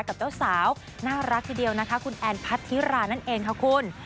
กับเจ้าสาวน่ารักทีเดียวนะคะคุณแอนพัทธิรานั่นเองค่ะคุณ